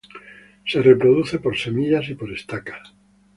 Se reproduce por semillas y por estacas.